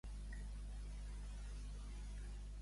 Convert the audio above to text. Va advertir el mestre que era allà el Jan, doncs?